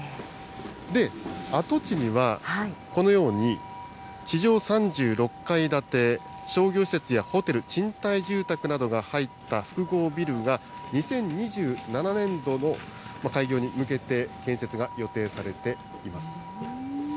で、跡地には、このように地上３６階建て、商業施設やホテル、賃貸住宅などが入った複合ビルが、２０２７年度の開業に向けて建設が予定されています。